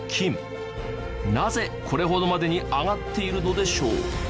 なぜこれほどまでに上がっているのでしょう？